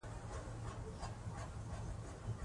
ځکه چې ده خپلې ژبې ته خدمت کړی.